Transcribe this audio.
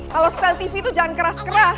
kalau style tv itu jangan keras keras